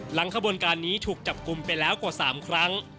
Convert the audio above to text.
ขบวนการนี้ถูกจับกลุ่มไปแล้วกว่า๓ครั้ง